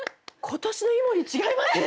今年の井森違いますね。